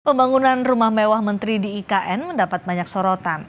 pembangunan rumah mewah menteri di ikn mendapat banyak sorotan